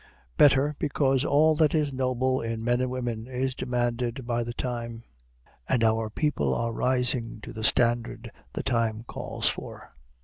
Better, because all that is noble in men and women is demanded by the time, and our people are rising to the standard the time calls for.